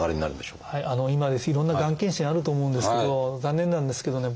今いろんながん検診あると思うんですけど残念なんですけどね